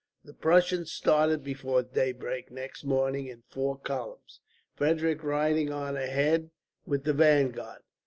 The Prussians started before daybreak next morning in four columns, Frederick riding on ahead with the vanguard.